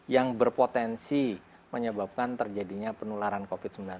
yang berpotensi menyebabkan terjadinya penularan covid sembilan belas